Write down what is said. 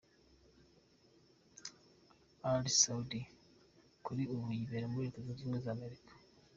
Ally Soudy kuri ubu yibera muri Leta Zunze Ubumwe za Amerika .